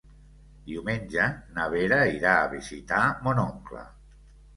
Diumenge na Vera irà a visitar mon oncle.